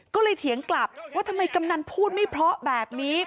ก็เลยเถียงกลับว่าทำไมกำนันพูดไม่เพราะแบบนี้